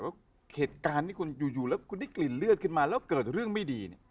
แล้วเหตุการณ์ที่คุณอยู่แล้วคุณได้กลิ่นเลือดขึ้นมาแล้วเกิดเรื่องไม่ดีเนี่ย